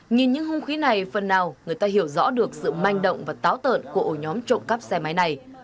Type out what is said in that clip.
nhìn những hung khí này phần nào người ta hiểu rõ được sự manh động và táo tợn của ổ nhóm trộm cắp xe máy này